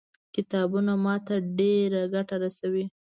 کتابونه ما ته ډېره ګټه رسوي.